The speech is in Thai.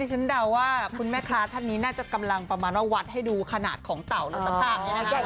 ฉันดาวว่าคุณแม่คลาสท่านนี้น่าจะกำลังประมาณวัดให้ดูขนาดของเต่ารถภาพ